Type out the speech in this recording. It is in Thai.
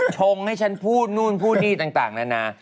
ชงให้ฉันพูดนู่นพูดนี่ต่างนานา